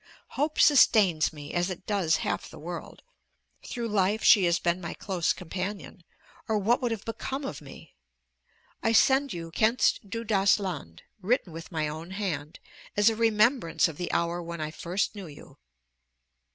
Hope sustains me, as it does half the world; through life she has been my close companion, or what would have become of me? I send you 'Kennst Du das Land,' written with my own hand, as a remembrance of the hour when I first knew you....